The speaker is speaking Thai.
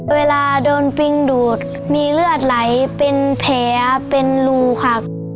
เวลาโดนปิงดูดมีเลือดไหลเป็นแผลเป็นรูครับ